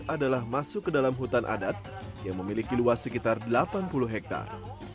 adalah masuk ke dalam hutan adat yang memiliki luas sekitar delapan puluh hektare